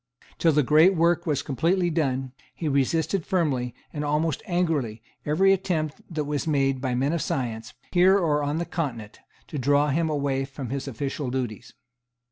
Till the great work was completely done, he resisted firmly, and almost angrily, every attempt that was made by men of science, here or on the Continent, to draw him away from his official duties.